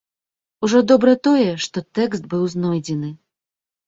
Ужо добра тое, што тэкст быў знойдзены!